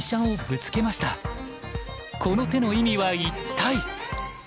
この手の意味は一体？